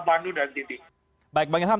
pandu dan titi baik bang ilham